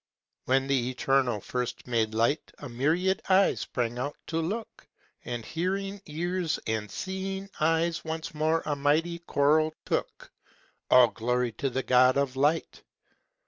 When the Eternal first made Light A myriad eyes sprang out to look, And hearing ears and seeing eyes Once more a mighty choral took: All glory to the God of Light!